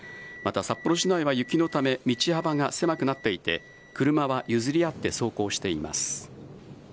また札幌市内は雪のため、道幅が狭くなっていて、車は譲り合って走行しています。